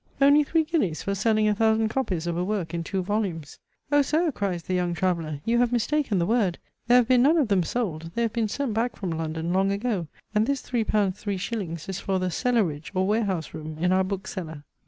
"Only three guineas for selling a thousand copies of a work in two volumes?" "O Sir!" (cries the young traveller) "you have mistaken the word. There have been none of them sold; they have been sent back from London long ago; and this L3. 3s. is for the cellaridge, or warehouse room in our book cellar."